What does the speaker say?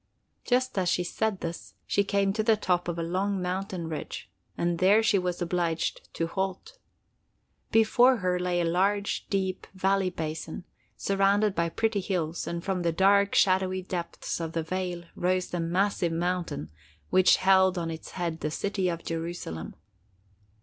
Just as she said this, she came to the top of a long mountain ridge, and there she was obliged to halt. Before her lay a large, deep valley basin, surrounded by pretty hills, and from the dark, shadowy depths of the vale rose the massive mountain which held on its head the city of Jerusalem.